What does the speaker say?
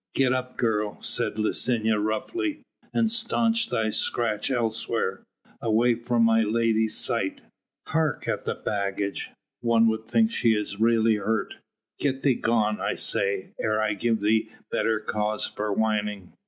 "Get up, girl," said Licinia roughly, "and staunch thy scratch elsewhere, away from my lady's sight. Hark at the baggage! One would think she is really hurt. Get thee gone, I say, ere I give thee better cause for whining."